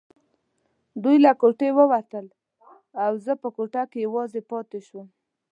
دوی له کوټې ووتل او زه په کوټه کې یوازې پاتې شوم.